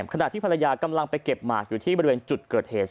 ขณะที่ภรรยากำลังไปเก็บหมากอยู่ที่บริเวณจุดเกิดเหตุ